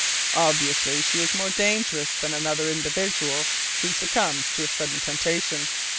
Obviously she is more dangerous than another individual who succumbs to a sudden temptation.